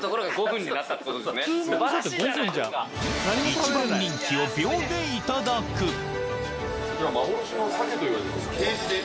一番人気を秒でいただくこちら。